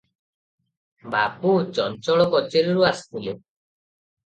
ବାବୁ ଚଞ୍ଚଳ କଚେରିରୁ ଆସିଥିଲେ ।